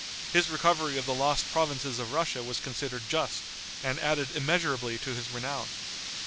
His recovery of the lost provinces of Russia was considered just, and added immeasurably to his renown.